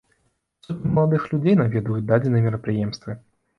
Сотні маладых людзей наведваюць дадзеныя мерапрыемствы.